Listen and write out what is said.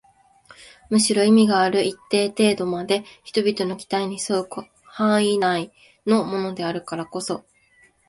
むしろ意味がある一定程度まで人々の期待に添う範囲内のものであるからこそ